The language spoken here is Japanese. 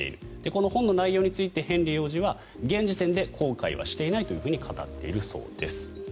この本の内容についてヘンリー王子は現時点で後悔はしていないと語っているそうです。